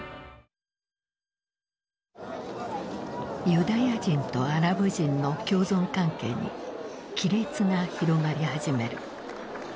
ユダヤ人とアラブ人の共存関係に亀裂が広がり始める。